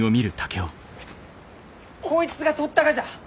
こいつがとったがじゃ！